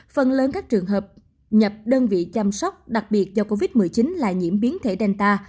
phần lớn các trường hợp nhập đơn vị chăm sóc đặc biệt do covid một mươi chín là nhiễm biến thể danta